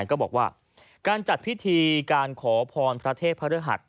จากนั้นก็บอกว่าการจัดพิธีการขอพรทเทพระเรือหัด